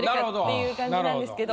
いう感じなんですけど。